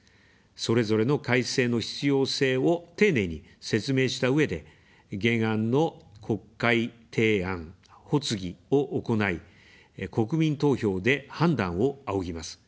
それぞれの改正の必要性を丁寧に説明したうえで、原案の国会提案・発議を行い、国民投票で判断を仰ぎます。